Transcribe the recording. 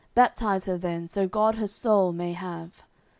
Baptise her then, so God her soul may have."